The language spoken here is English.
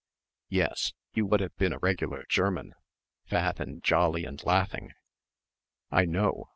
"Yes, you would have been a regular German, fat and jolly and laughing." "I know.